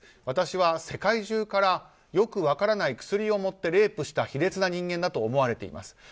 私は世界中からよく分からない薬を盛ってレイプした卑劣な人間だと思われています。